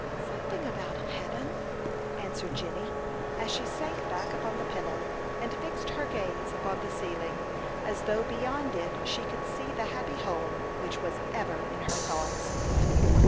"Something about heaven?" answered Jenny, as she sank back upon the pillow, and fixed her gaze upon the ceiling, as though beyond it she could see the happy home which, was ever in her thoughts.